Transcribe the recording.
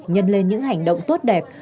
nhân lên những hành động tốt đẹp